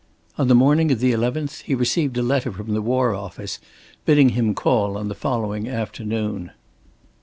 On the morning of the eleventh he received a letter from the War Office, bidding him call on the following afternoon.